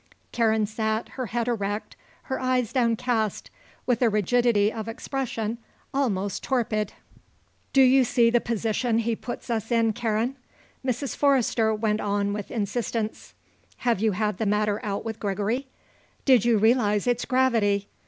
Karen sat, her head erect, her eyes downcast, with a rigidity of expression almost torpid. "Do you see the position he puts us in, Karen?" Mrs. Forrester went on with insistence. "Have you had the matter out with Gregory? Did you realise its gravity?